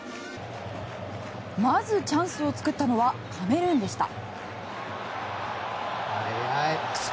まず、チャンスを作ったのはカメルーンでした。